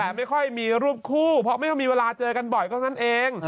แต่ไม่ค่อยมีรูปคู่เพราะไม่ค่อยมีเวลาเจอกันบ่อยเท่านั้นเอง